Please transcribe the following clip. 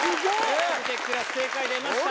『超無敵クラス』正解出ました。